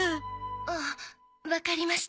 あっわかりました。